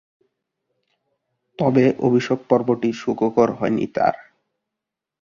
তবে, অভিষেক পর্বটি সুখকর হয়নি তার।